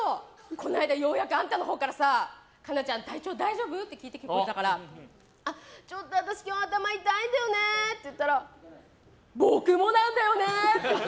この間、ようやくあんたのほうから可奈ちゃん、体調大丈夫？って聞いてきてくれたから今日、私ちょっと頭痛いんだよねって言ったら僕もなんだよねって。